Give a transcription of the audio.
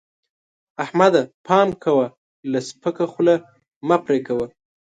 احمده! پام کوه؛ له سپکه خوله مه پرې کوه.